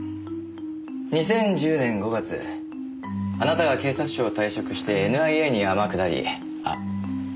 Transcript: ２０１０年５月あなたが警察庁を退職してＮＩＡに天下りあっ失礼。